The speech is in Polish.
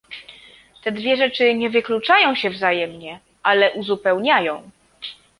Te dwie rzeczy nie wykluczają się wzajemnie, ale uzupełniają